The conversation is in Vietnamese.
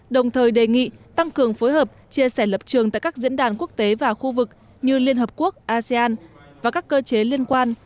đồng thời đề nghị tăng cường phối hợp chia sẻ lập trường tại các diễn đàn quốc tế và khu vực như liên hợp quốc asean và các cơ chế liên quan